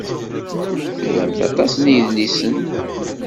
Tlamt aṭas n yidlisen.